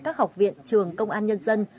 các học viện trường công an nhân dân